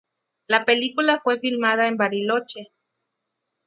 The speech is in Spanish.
La película fue filmada en Bariloche.